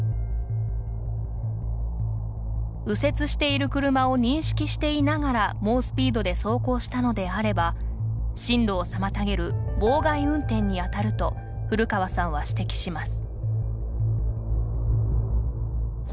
右折している車を認識していながら猛スピードで走行したのであれば進路を妨げる妨害運転に当たると古川さんは指摘します。